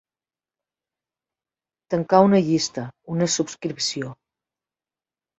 Tancar una llista, una subscripció.